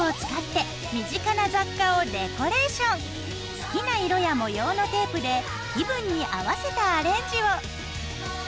好きな色や模様のテープで気分に合わせたアレンジを。